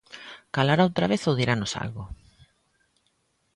¿Calará outra vez ou diranos algo?